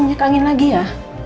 minyak angin lagi ya